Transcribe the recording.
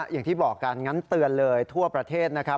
อย่างที่บอกกันงั้นเตือนเลยทั่วประเทศนะครับ